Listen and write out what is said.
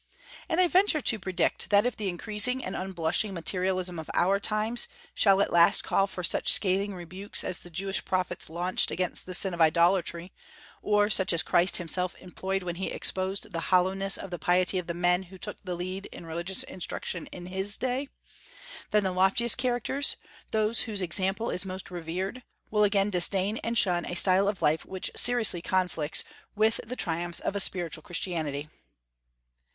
And I venture to predict, that if the increasing and unblushing materialism of our times shall at last call for such scathing rebukes as the Jewish prophets launched against the sin of idolatry, or such as Christ himself employed when he exposed the hollowness of the piety of the men who took the lead in religious instruction in his day, then the loftiest characters those whose example is most revered will again disdain and shun a style of life which seriously conflicts with the triumphs of a spiritual Christianity.